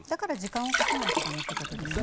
だから時間をかけないと駄目ということですね。